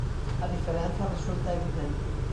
A diferenza resulta evidente.